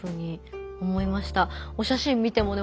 お写真見てもね